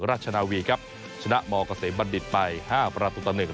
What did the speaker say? ราชนาวีครับชนะมเกษมบัณฑิตไป๕ประตูต่อ๑